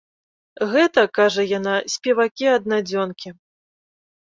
Гэта, кажа яна, спевакі-аднадзёнкі.